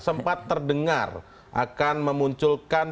sempat terdengar akan memunculkan